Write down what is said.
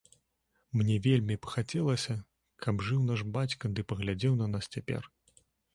Мне вельмі б хацелася, каб жыў наш бацька ды паглядзеў на нас цяпер.